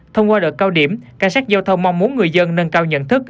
thông qua đợt cao điểm cảnh sát giao thông mong muốn người dân nâng cao nhận thức